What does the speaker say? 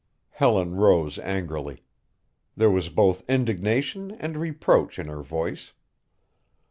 Helen rose angrily. There was both indignation and reproach in her voice.